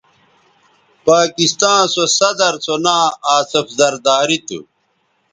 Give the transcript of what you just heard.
پاکستاں سو صدرسو ناں آصف زرداری تھو